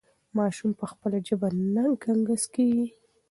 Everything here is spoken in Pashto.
ماشوم په خپله ژبه نه ګنګس کېږي.